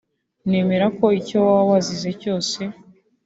Nemera ko icyo waba wazize cyose